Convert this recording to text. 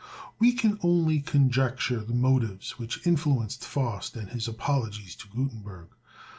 We can only conjecture the motives which influenced Faust in his apologies to Gutenberg.